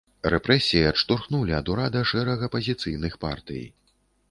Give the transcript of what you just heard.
Рэпрэсіі адштурхнулі ад урада шэраг апазіцыйных партый.